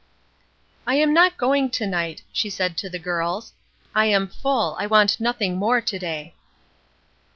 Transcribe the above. "I am not going to night," she said to the girls. "I am full, I want nothing more to day."